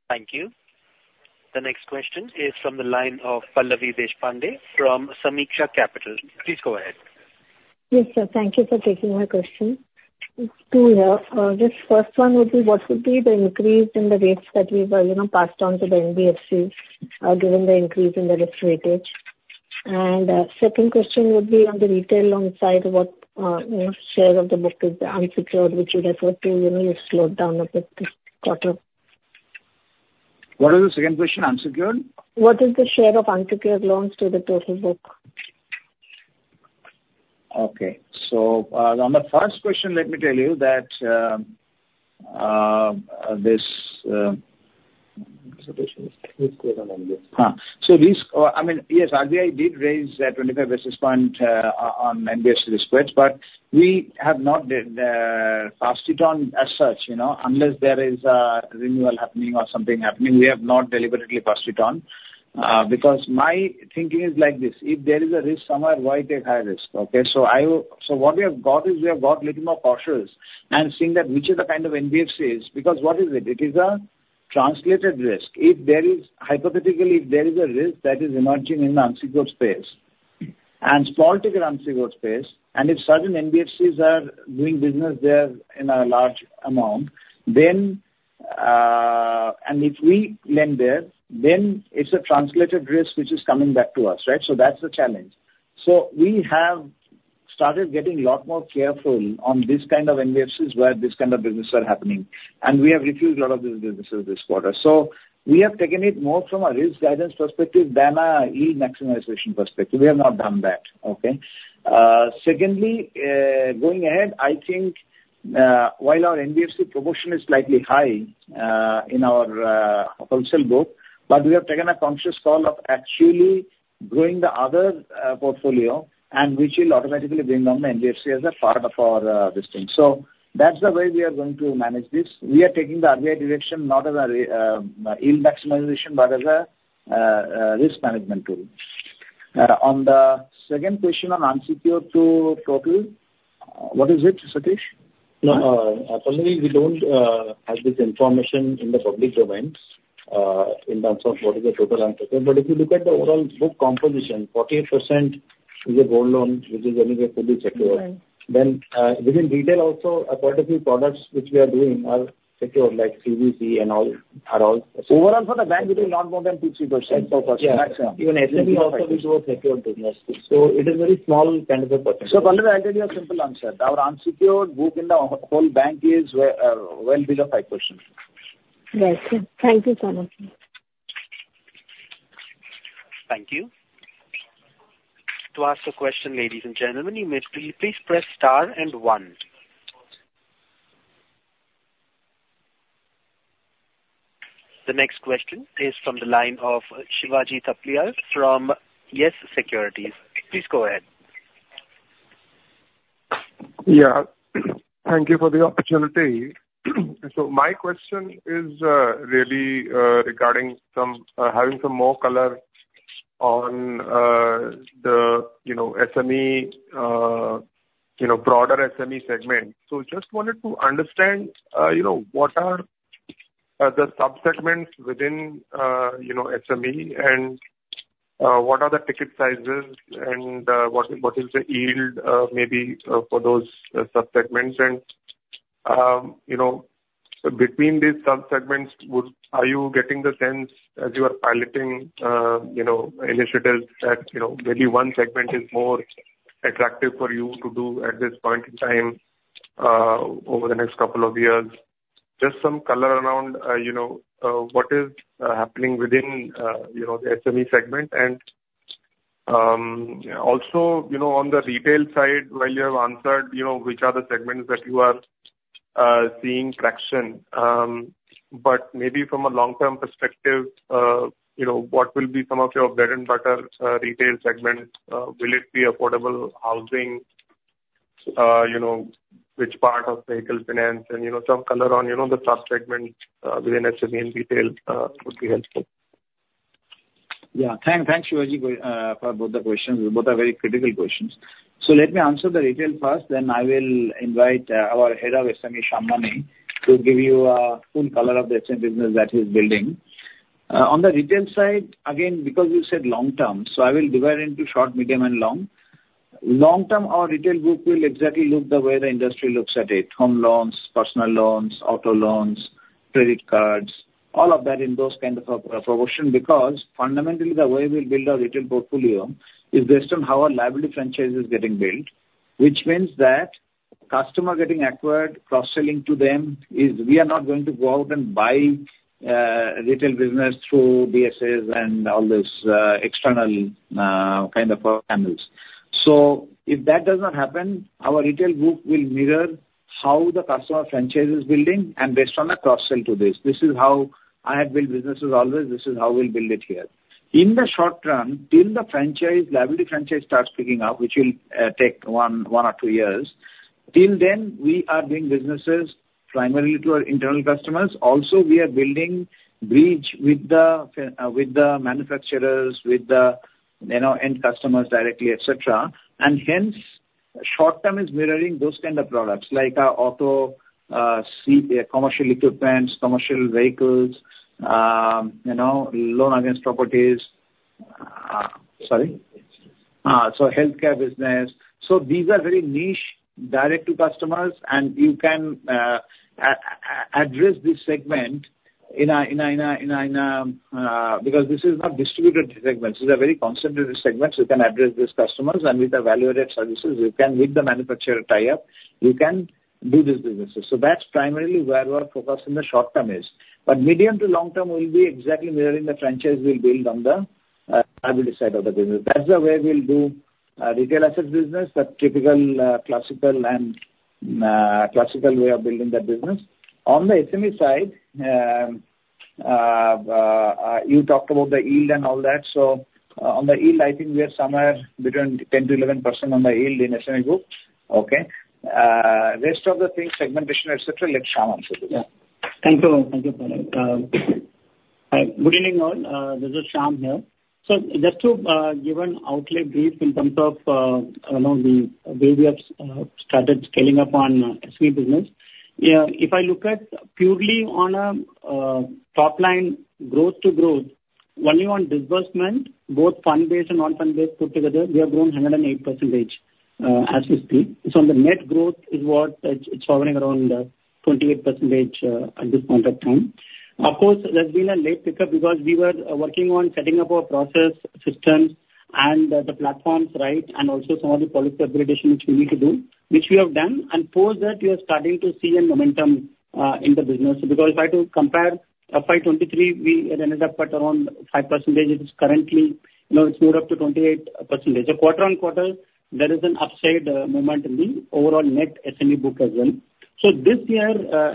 Thank you. The next question is from the line of Pallavi Deshpande from Sameeksha Capital. Please go ahead. Yes, sir. Thank you for taking my question. Two, here. This first one would be, what would be the increase in the rates that we were passed on to the NBFCs given the increase in the risk weightage? And second question would be on the retail loan side, what share of the book is unsecured which you referred to? You slowed down a bit this quarter. What is the second question? Unsecured? What is the share of unsecured loans to the total book? Okay. So on the first question, let me tell you that this I mean, yes, RBI did raise a 25 basis point on NBFC risk weightage, but we have not passed it on as such. Unless there is a renewal happening or something happening, we have not deliberately passed it on. Because my thinking is like this. If there is a risk somewhere, why take high risk, okay? So what we have got is we have got a little more cautious and seeing that which is the kind of NBFCs because what is it? It is a transmitted risk. Hypothetically, if there is a risk that is emerging in the unsecured space and small ticket unsecured space, and if certain NBFCs are doing business there in a large amount, then and if we lend there, then it's a transmitted risk which is coming back to us, right? So that's the challenge. So we have started getting a lot more careful on this kind of NBFCs where this kind of business are happening. And we have refused a lot of these businesses this quarter. So we have taken it more from a risk guidance perspective than a yield maximization perspective. We have not done that, okay? Secondly, going ahead, I think while our NBFC proportion is slightly high in our wholesale book, but we have taken a conscious call of actually growing the other portfolio and which will automatically bring on the NBFC as a part of our listing. So that's the way we are going to manage this. We are taking the RBI direction not as a yield maximization but as a risk management tool. On the second question on unsecured to total, what is it, Satish? No, Pallavi, we don't have this information in the public domain in terms of what is the total unsecured. But if you look at the overall book composition, 48% is a gold loan which is anyway fully secured. Then within retail also, quite a few products which we are doing are secured like CVC and all. Overall for the bank, we do not more than 2%-3%. That's our question. Even SME also, we do a secured business. So it is a very small kind of a percentage. Pallavi, I'll tell you a simple answer. Our unsecured book in the whole bank is well below 5%. Right, sir. Thank you so much. Thank you. To ask a question, ladies and gentlemen, you may please press star and one. The next question is from the line of Shivaji Thapliyal from YES Securities. Please go ahead. Yeah. Thank you for the opportunity. So my question is really regarding having some more color on the broader SME segment. So I just wanted to understand what are the subsegments within SME and what are the ticket sizes and what is the yield maybe for those subsegments. And between these subsegments, are you getting the sense as you are piloting initiatives that maybe one segment is more attractive for you to do at this point in time over the next couple of years? Just some color around what is happening within the SME segment. And also on the retail side, while you have answered, which are the segments that you are seeing traction? But maybe from a long-term perspective, what will be some of your bread and butter retail segments? Will it be affordable housing, which part of vehicle finance? Some color on the subsegments within SME and retail would be helpful. Yeah. Thanks, Shivaji, for both the questions. Both are very critical questions. So let me answer the retail first. Then I will invite our head of SME, Shyam Mani, to give you a full color of the SME business that he's building. On the retail side, again, because you said long-term, so I will divide into short, medium, and long. Long-term, our retail book will exactly look the way the industry looks at it: home loans, personal loans, auto loans, credit cards, all of that in those kind of a proportion because fundamentally, the way we'll build our retail portfolio is based on how our liability franchise is getting built, which means that customer getting acquired, cross-selling to them is we are not going to go out and buy retail business through BSS and all these external kind of channels. So if that does not happen, our retail book will mirror how the customer franchise is building and based on a cross-sell to this. This is how I have built businesses always. This is how we'll build it here. In the short run, till the liability franchise starts picking up, which will take one or two years, till then, we are doing businesses primarily to our internal customers. Also, we are building bridge with the manufacturers, with the end customers directly, etc. And hence, short-term is mirroring those kind of products like auto commercial equipments, commercial vehicles, loan against properties. Sorry. So healthcare business. So these are very niche, direct-to-customers. And you can address this segment in a because this is not distributed segments. These are very concentrated segments. You can address these customers. And with evaluated services, you can with the manufacturer tie up, you can do these businesses. So that's primarily where our focus in the short-term is. But medium to long-term, we'll be exactly mirroring the franchise we'll build on the liability side of the business. That's the way we'll do retail assets business, the typical, classical way of building that business. On the SME side, you talked about the yield and all that. So on the yield, I think we are somewhere between 10%-11% on the yield in SME book, okay? Rest of the things, segmentation, etc., let Shyam answer this. Yeah. Thank you. Thank you, Pallavi. Good evening, all. This is Shyam here. So just to give an outlay brief in terms of the way we have started scaling up on SME business. If I look at purely on a topline growth-to-growth, only on disbursement, both fund-based and non-fund-based put together, we have grown 108% as we speak. So on the net growth, it's hovering around 28% at this point of time. Of course, there's been a late pickup because we were working on setting up our process, systems, and the platforms right and also some of the policy enablement which we need to do, which we have done and post that we are starting to see a momentum in the business. Because if I compare FY 2023, we had ended up at around 5%. It's moved up to 28%. So quarter-on-quarter, there is an upside momentum in the overall net SME book as well. So this year,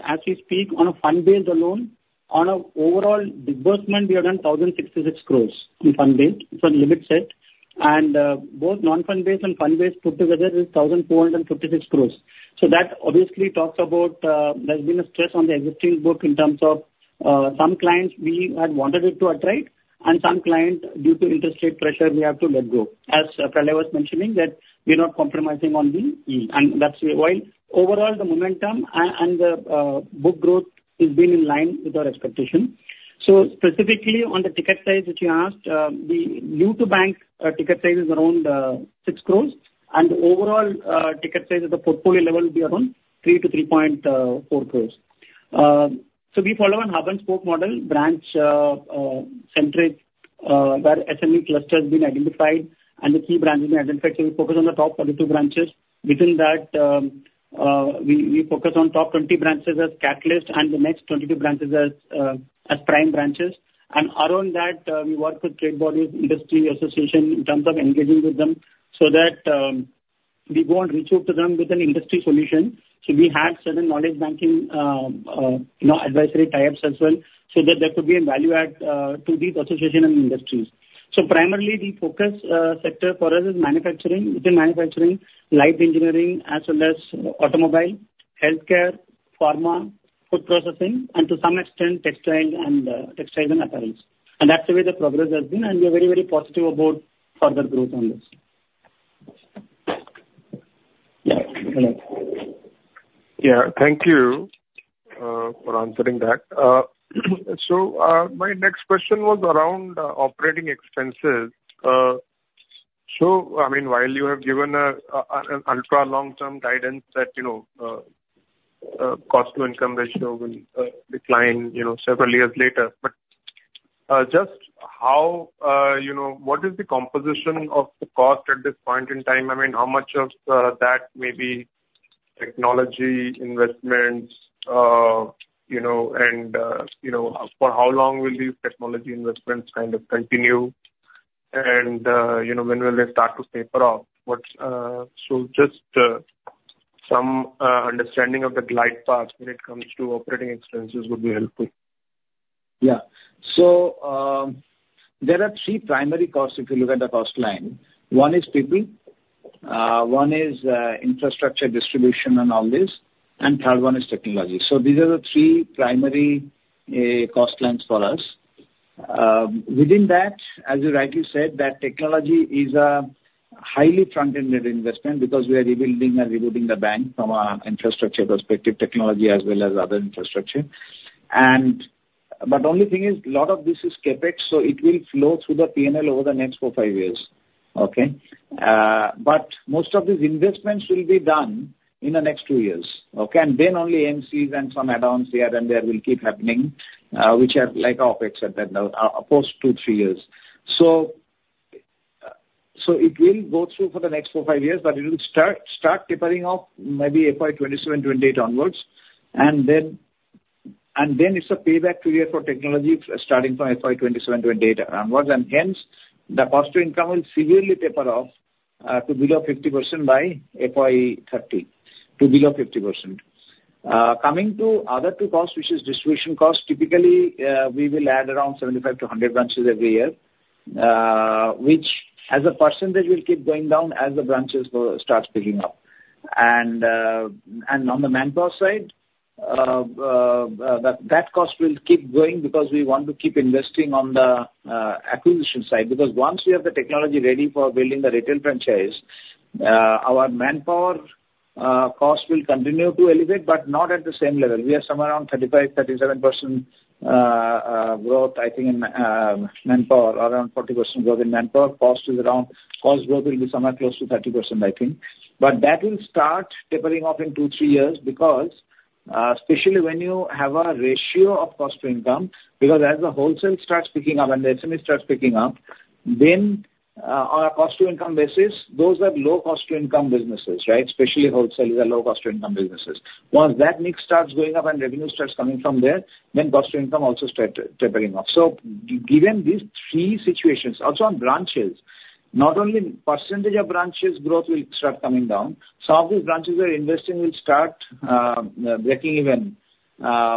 as we speak, on a fund-based alone, on an overall disbursement, we have done 1,066 crores in fund-based. It's a limit set. And both non-fund-based and fund-based put together is 1,456 crores. So that obviously talks about there's been a stress on the existing book in terms of some clients we had wanted to attract, and some clients, due to interest rate pressure, we have to let go, as Pralay was mentioning, that we're not compromising on the yield. That's why overall, the momentum and the book growth has been in line with our expectation. Specifically on the ticket size which you asked, the new-to-bank ticket size is around 6 crore. The overall ticket size at the portfolio level will be around 3 crore-3.4 crore. We follow a hub-and-spoke model, branch-centric, where SME cluster has been identified and the key branch has been identified. We focus on the top 22 branches. Within that, we focus on top 20 branches as catalysts and the next 22 branches as prime branches. Around that, we work with trade bodies, industry association in terms of engaging with them so that we go and reach out to them with an industry solution. We have certain knowledge banking advisory types as well so that there could be a value add to these associations and industries. Primarily, the focus sector for us is manufacturing, within manufacturing, light engineering as well as automobile, healthcare, pharma, food processing, and to some extent, textiles and apparels. That's the way the progress has been. We are very, very positive about further growth on this. Yeah. Thank you for answering that. So my next question was around operating expenses. So I mean, while you have given an ultra-long-term guidance that cost-to-income ratio will decline several years later, but just what is the composition of the cost at this point in time? I mean, how much of that may be technology investments? And for how long will these technology investments kind of continue? And when will they start to taper off? So just some understanding of the glide path when it comes to operating expenses would be helpful. Yeah. So there are three primary costs if you look at the cost line. One is people. One is infrastructure distribution and all this. And third one is technology. So these are the three primary cost lines for us. Within that, as you rightly said, that technology is a highly front-ended investment because we are rebuilding and rebooting the bank from an infrastructure perspective, technology as well as other infrastructure. But the only thing is, a lot of this is CapEx. So it will flow through the P&L over the next four to five years, okay? But most of these investments will be done in the next two years, okay? And then only AMCs and some add-ons here and there will keep happening, which are like OpEx at that point, post two to three years. It will go through for the next four to five years, but it will start tapering off maybe FY 2027, FY 2028 onwards. Then it's a payback period for technology starting from FY 2027, FY 2028 onwards. Hence, the cost-to-income will severely taper off to below 50% by FY 2030, to below 50%. Coming to the other two costs, which is distribution cost, typically, we will add around 75-100 branches every year, which as a percentage, will keep going down as the branches start picking up. On the manpower side, that cost will keep going because we want to keep investing on the acquisition side. Because once we have the technology ready for building the retail franchise, our manpower cost will continue to elevate but not at the same level. We are somewhere around 35%-37% growth, I think, in manpower, around 40% growth in manpower. Cost growth will be somewhere close to 30%, I think. But that will start tapering off in two, three years because especially when you have a ratio of cost-to-income because as the wholesale starts picking up and the SME starts picking up, then on a cost-to-income basis, those are low cost-to-income businesses, right? Especially wholesale is a low cost-to-income businesses. Once that mix starts going up and revenue starts coming from there, then cost-to-income also starts tapering off. So given these three situations, also on branches, not only percentage of branches growth will start coming down. Some of these branches we're investing will start breaking even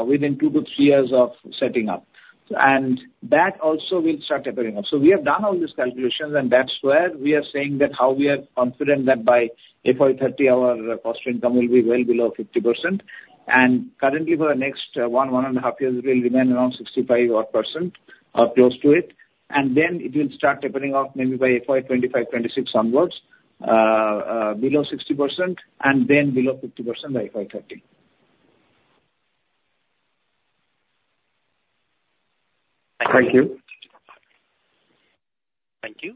within two to three years of setting up. And that also will start tapering off. So we have done all these calculations. And that's where we are saying that how we are confident that by FY 2030, our cost-to-income will be well below 50%. Currently, for the next 1-1.5 years, it will remain around 65 odd % or close to it. And then it will start tapering off maybe by FY 2025, 2026 onwards, below 60% and then below 50% by FY 2030. Thank you. Thank you.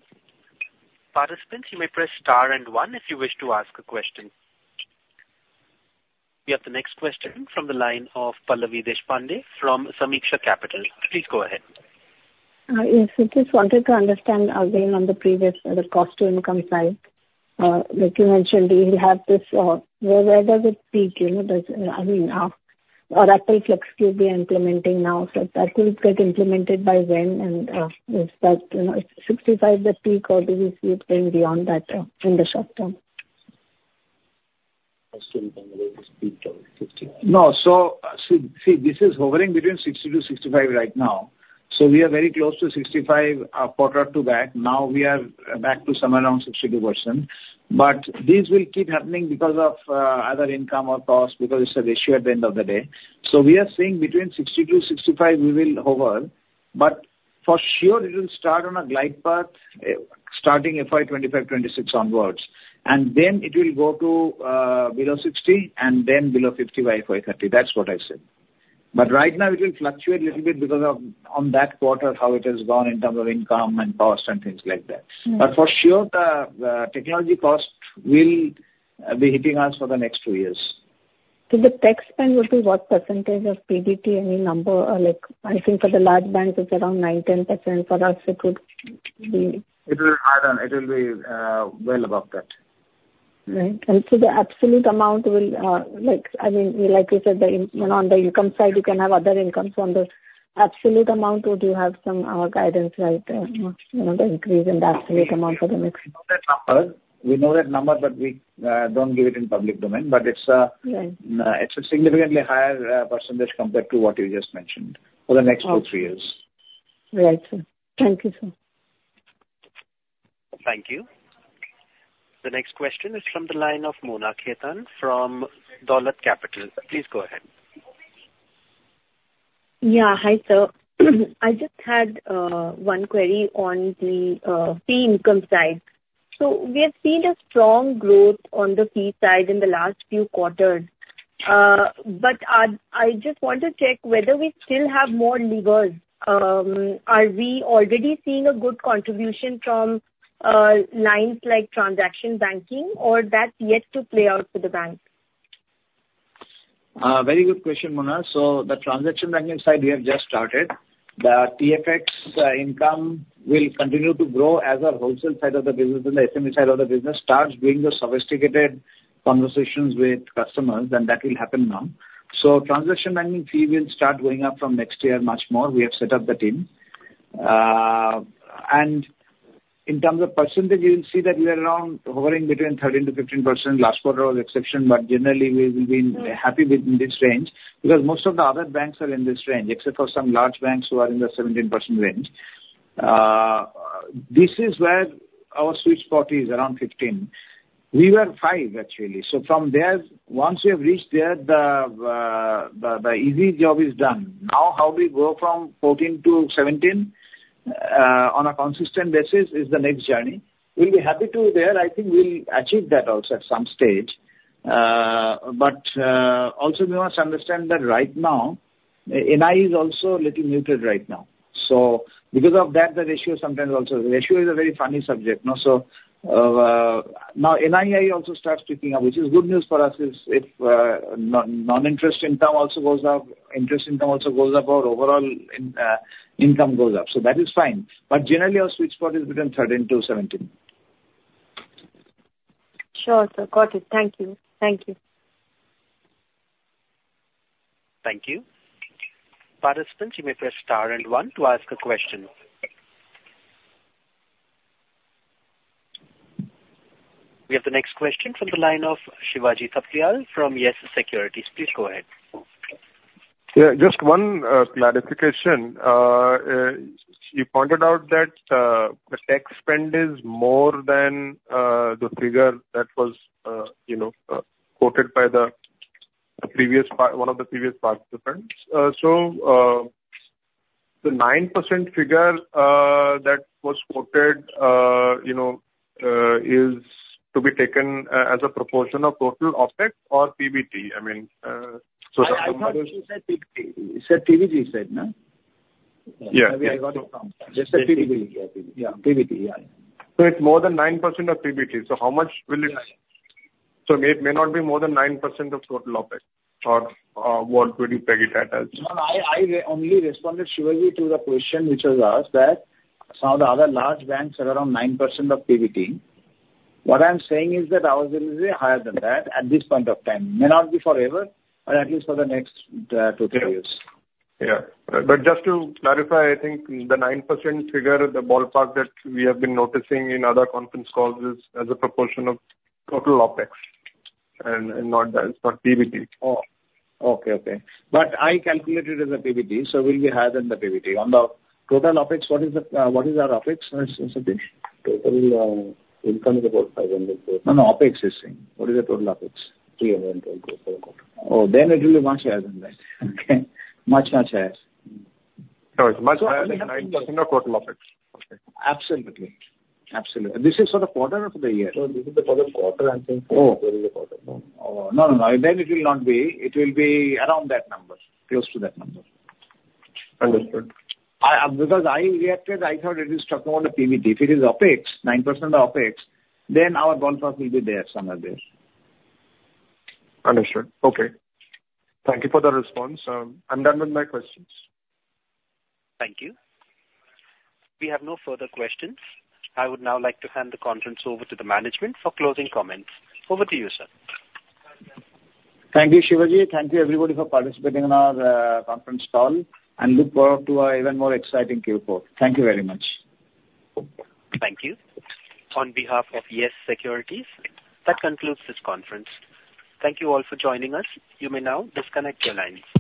Participants, you may press star and one if you wish to ask a question. We have the next question from the line of Pallavi Deshpande from Sameeksha Capital. Please go ahead. Yes. I just wanted to understand again on the cost-to-income side. Like you mentioned, we have this. Where does it peak? I mean, our FLEXCUBE will be implementing now. So that will get implemented by when? And is that 65 the peak or do we see it going beyond that in the short term? Cost-to-income, will it peak to 55%? No. So see, this is hovering between 60-65 right now. So we are very close to 65, quarter or 2 back. Now, we are back to somewhere around 62%. But these will keep happening because of either income or cost because it's a ratio at the end of the day. So we are seeing between 60-65, we will hover. But for sure, it will start on a glide path starting FY 2025, FY 2026 onwards. And then it will go to below 60 and then below 50 by FY 2030. That's what I said. But right now, it will fluctuate a little bit because of on that quarter, how it has gone in terms of income and cost and things like that. But for sure, the technology cost will be hitting us for the next two years. The tech spend would be what percentage of PDT? Any number? I think for the large banks, it's around 9%-10%. For us, it would be. It will be higher than it will be well above that. Right. And so the absolute amount will, I mean, like you said, on the income side, you can have other incomes. On the absolute amount, would you have some guidance right there, the increase in the absolute amount for the next? We know that number. We know that number, but we don't give it in public domain. It's a significantly higher percentage compared to what you just mentioned for the next two, three years. Right, sir. Thank you, sir. Thank you. The next question is from the line of Mona Khetan from Dolat Capital. Please go ahead. Yeah. Hi, sir. I just had one query on the fee income side. So we have seen a strong growth on the fee side in the last few quarters. But I just want to check whether we still have more levers. Are we already seeing a good contribution from lines like transaction banking, or that's yet to play out for the bank? Very good question, Mona. So the transaction banking side, we have just started. The TFX income will continue to grow as our wholesale side of the business and the SME side of the business starts doing the sophisticated conversations with customers. That will happen now. Transaction banking fee will start going up from next year much more. We have set up the team. In terms of percentage, you will see that we are around hovering between 13%-15%, last quarter was exception. But generally, we will be happy within this range because most of the other banks are in this range except for some large banks who are in the 17% range. This is where our sweet spot is, around 15%. We were 5%, actually. From there, once we have reached there, the easy job is done. Now, how do we go from 14-17 on a consistent basis is the next journey. We'll be happy to there. I think we'll achieve that also at some stage. But also, we must understand that right now, NII is also a little muted right now. So because of that, the ratio sometimes also the ratio is a very funny subject, no? So now, NII also starts picking up, which is good news for us if non-interest income also goes up, interest income also goes up, or overall income goes up. So that is fine. But generally, our sweet spot is between 13-17. Sure, sir. Got it. Thank you. Thank you. Thank you. Participants, you may press star and one to ask a question. We have the next question from the line of Shivaji Thapliyal from YES Securities. Please go ahead. Yeah. Just one clarification. You pointed out that the tech spend is more than the figure that was quoted by one of the previous participants. So the 9% figure that was quoted is to be taken as a proportion of total OPEX or PBT? I mean, so the other. I thought you said PBT. You said PBT, you said, no? Yes. Maybe I got it wrong. You said PBT. Yeah. Yeah. PBT. Yeah. So it's more than 9% of PBT. So how much will it, so it may not be more than 9% of total OpEx. Or what would you peg it at as? No, no. I only responded, Shivaji, to the question which was asked that some of the other large banks are around 9% of PBT. What I'm saying is that ours will be higher than that at this point of time. It may not be forever, but at least for the next two, three years. Yeah. But just to clarify, I think the 9% figure, the ballpark that we have been noticing in other conference calls is as a proportion of total OPEX and not PBT. Oh. Okay. Okay. But I calculated it as a PBT. So it will be higher than the PBT. On the total OPEX, what is our OPEX, Satish? Total income is about 500. No, no. OPEX you're saying. What is the total OPEX? 312. Oh. Then it will be much higher than that, okay? Much, much higher. It's much higher than 9% of total OPEX. Okay. Absolutely. Absolutely. This is for the quarter of the year. Oh. This is for the quarter, I think. Oh. What is the quarter? No, no, no. Then it will not be. It will be around that number, close to that number. Understood. Because I reacted, I thought it is talking about the PBT. If it is OPEX, 9% of OPEX, then our ballpark will be there, somewhere there. Understood. Okay. Thank you for the response. I'm done with my questions. Thank you. We have no further questions. I would now like to hand the conference over to the management for closing comments. Over to you, sir. Thank you, Shivaji. Thank you, everybody, for participating in our conference call. And look forward to an even more exciting Q4. Thank you very much. Thank you. On behalf of YES Securities, that concludes this conference. Thank you all for joining us. You may now disconnect your lines.